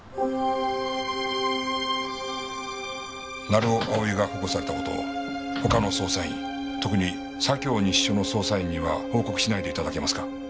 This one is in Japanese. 成尾蒼が保護された事を他の捜査員特に左京西署の捜査員には報告しないで頂けますか？